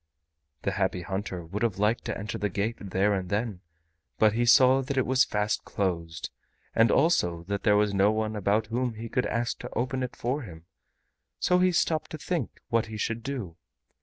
The Happy Hunter would have liked to enter the gate there and then, but he saw that it was fast closed, and also that there was no one about whom he could ask to open it for him, so he stopped to think what he should do.